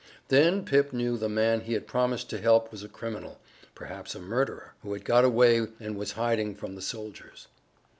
Then Pip knew the man he had promised to help was a criminal perhaps a murderer who had got away and was hiding from the soldiers.